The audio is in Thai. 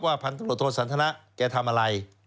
ว่าพันธุ์โทษสันทนะแกทำอะไร